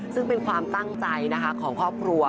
ซึ่งเป็นความตั้งใจนะคะของครอบครัว